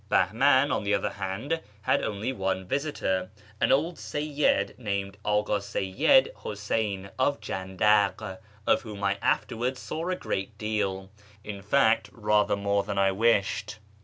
Bahman, on the other hand, had only one visitor, an old seyyid named Aka Seyyid Huseyn of Jandak, of whom I afterwards saw a good deal — in fact rather more than I washed.